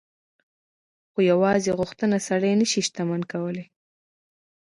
خو يوازې غوښتنه سړی نه شي شتمن کولای.